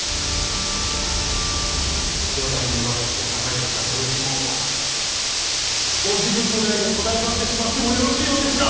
四代にわたって栄えてきたご一門をご自分の代で途絶えさせてしまってもよろしいのですか。